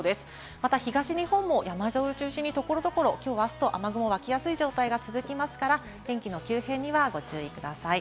また東日本も山沿いを中心に所々、雨雲が湧きやすい状態が続きますから、天気の急変にはご注意ください。